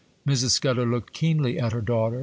Mrs. Scudder looked keenly at her daughter.